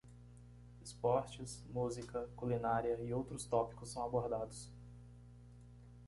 Esportes? música? culinária e outros tópicos são abordados.